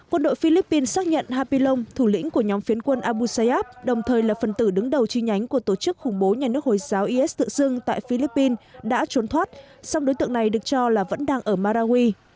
quân đội philippines xác nhận hapilong thủ lĩnh của nhóm phiến quân abusayab đồng thời là phần tử đứng đầu chi nhánh của tổ chức khủng bố nhà nước hồi giáo is tự xưng tại philippines đã trốn thoát song đối tượng này được cho là vẫn đang ở marawi